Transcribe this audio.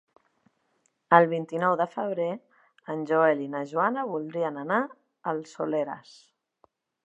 El vint-i-nou de febrer en Joel i na Joana voldrien anar al Soleràs.